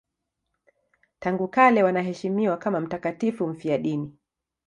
Tangu kale wanaheshimiwa kama mtakatifu mfiadini.